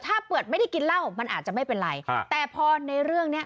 ถ้าเปิดไม่ได้กินเหล้ามันอาจจะไม่เป็นไรอ่าแต่พอในเรื่องเนี้ย